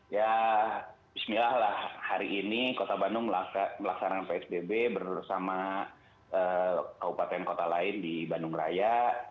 ya bismillah lah hari ini kota bandung melaksanakan psbb bersama kabupaten kota lain di bandung raya